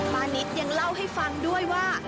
มานิดยังเล่าให้ฟังด้วยว่า